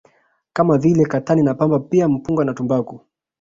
kama vile Katani na Pamba pia Mpunga na tumbaku